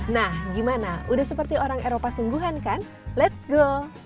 nah gimana udah seperti orang eropa sungguhan kan let's go